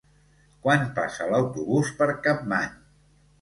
Quan passa l'autobús per Capmany?